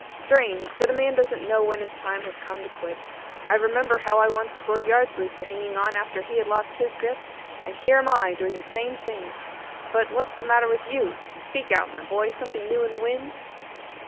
Strange that a man don't know when his time has come to quit. I remember low I once scored Yeardsley for hanging on after he had lost his grip; and here am I doing the same thing. But what's the matter with you? Speak out, my boy. Something new in the wind?"